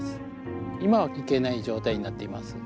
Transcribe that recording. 今は行けない状態になっています。